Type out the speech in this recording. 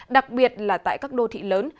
đặc biệt là tại các đô thị lớn